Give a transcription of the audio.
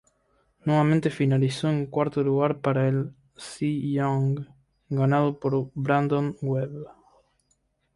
Nuevamente finalizó en cuarto lugar para el Cy Young, ganado por Brandon Webb.